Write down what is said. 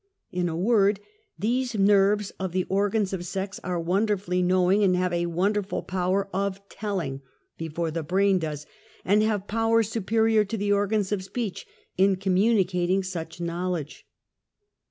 In a word these nerves of the organs of sex, are wonderful know ing and have a wonderful power of telling be fore the brain does, and have power superior to the organs of speech in communicating such knowledge.